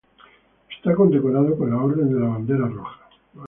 Es condecorado con la Orden de la Bandera Roja.